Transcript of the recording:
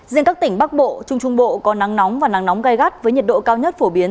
riêng các tỉnh bắc bộ trung trung bộ có nắng nóng và nắng nóng gai gắt với nhiệt độ cao nhất phổ biến